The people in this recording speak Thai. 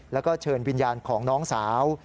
แล้วก็เชิญวิญญาณของน้องสาว